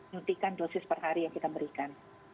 nyuntikan dosis perhari yang kita berikan